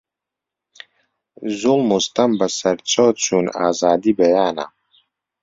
زوڵم و ستەم بە سەر چۆ چوون ئازادی بەیانە